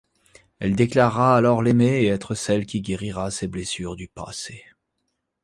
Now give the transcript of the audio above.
Elle déclarera alors l'aimer et être celle qui guérira ses blessures du passé.